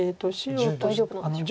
大丈夫なんでしょうか。